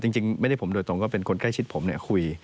จริงไม่ได้ผมโดยตรงก็เป็นคนใกล้ชิดผมเนี่ยคุย